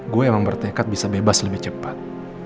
gue emang bertekad bisa bebas lebih cepat